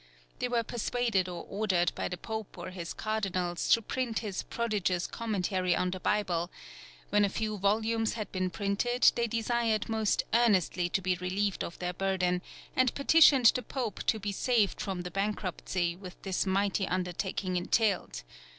They were persuaded or ordered by the Pope or his cardinals to print his prodigious commentary on the Bible; when a few volumes had been printed they desired most earnestly to be relieved of their burden, and petitioned the Pope to be saved from the bankruptcy which this mighty undertaking entailed.